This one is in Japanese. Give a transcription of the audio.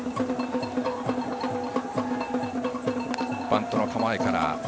バントの構えから。